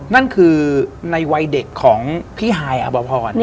นั่นคือในวัยเด็กของพี่ฮายอภพร